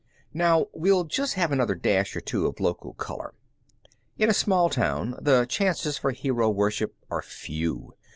Now, we'll have just another dash or two of local color. In a small town the chances for hero worship are few.